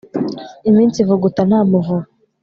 iminsi ivuguta nta muvuba